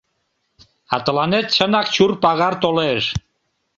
А тыланет чынак чур пагар толеш...